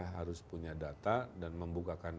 harus punya data dan membukakan